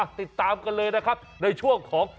ติดตามกันเลยนะครับในช่วงของ